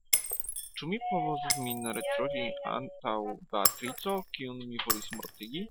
Ĉu mi povos min retrovi antaŭ Beatrico, kiun mi volis mortigi?